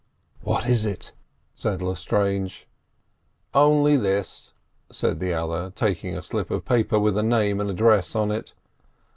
"What is it?" said Lestrange. "Only this," said the other, taking up a slip of paper with a name and address on it.